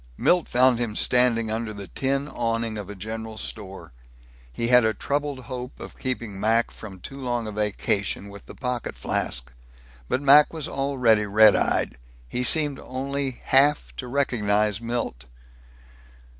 Milt found him standing under the tin awning of the general store. He had a troubled hope of keeping Mac from too long a vacation with the pocket flask. But Mac was already red eyed. He seemed only half to recognize Milt.